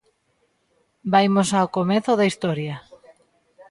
Vaimos ao comezo da historia.